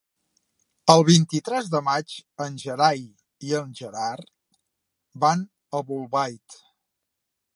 El vint-i-tres de maig en Gerai i en Gerard van a Bolbait.